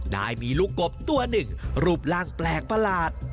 ได้มีลูกกบตัวหนึ่งรูปร่างแปลกประหลาด